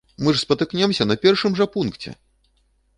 Мы ж спатыкнемся на першым жа пункце!